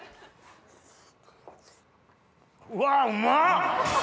うわうまっ！